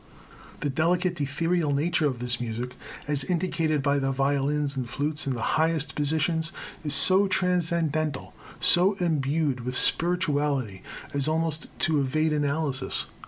The delicate ethereal nature of this music, as indicated by the violins and flutes in the highest positions, is so transcendental, so imbued with spirituality, as almost to evade analysis.